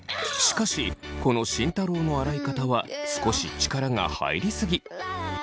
しかしこの慎太郎の洗い方は少し力が入りすぎ。